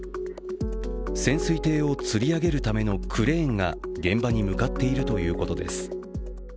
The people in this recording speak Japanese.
潜水艇をつり上げるためのクレーンが現場に向かっているということです。